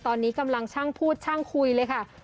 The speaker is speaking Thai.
ตอนนี้กำลังช่างพูดช่างคุยเลยค่ะ